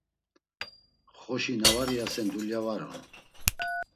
Xoşi na var iyasen dulya var on.